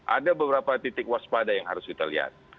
ada beberapa titik waspadai yang harus kita lihat